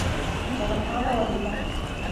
ته روښانه وليکه.